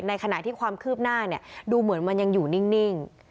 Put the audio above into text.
ขณะที่ความคืบหน้าเนี่ยดูเหมือนมันยังอยู่นิ่ง